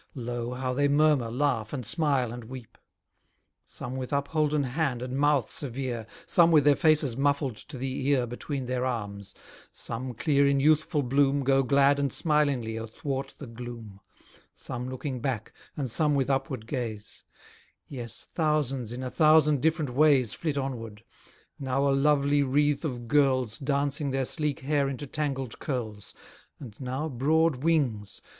Lo! how they murmur, laugh, and smile, and weep: Some with upholden hand and mouth severe; Some with their faces muffled to the ear Between their arms; some, clear in youthful bloom, Go glad and smilingly, athwart the gloom; Some looking back, and some with upward gaze; Yes, thousands in a thousand different ways Flit onward now a lovely wreath of girls Dancing their sleek hair into tangled curls; And now broad wings.